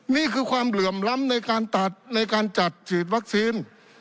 นี่คือความเหลื่อมล้ำในการจัดฉีดวัคซีน